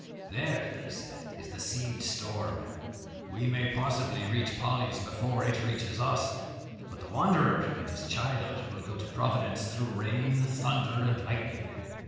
"There," said he, "is the seed storm; we may possibly reach Polley's before it reaches us, but the wanderer and his child will go to Providence through rain, thunder, and lightning."